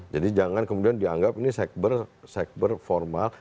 jadi jangan kemudian dianggap ini sekber formal